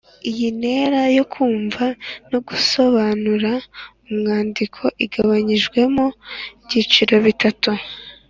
Iyi ntera yo kumva no gusobanura umwandiko igabanyijemo ibyiciro bitatu